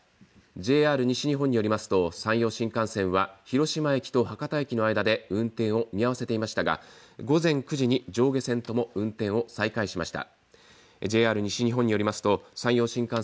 ＪＲ西日本によりますと山陽新幹線は広島駅と博多駅の間で運転を見合わせていましたが午前９時に上下線とも運転を再開しました。